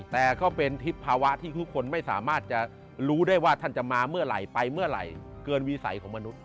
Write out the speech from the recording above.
แต่ก็เป็นทิศภาวะที่ทุกคนไม่สามารถจะรู้ได้ว่าท่านจะมาเมื่อไหร่ไปเมื่อไหร่เกินวิสัยของมนุษย